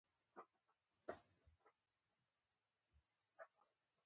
وزیر محمد اکبر خان د جامع مسجد خطیب قاري الفت،